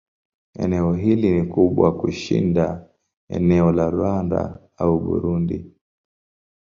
Eneo hili ni kubwa kushinda eneo la Rwanda au Burundi.